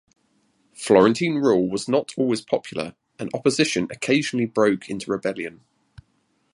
Florentine rule was not always popular, and opposition occasionally broke into rebellion.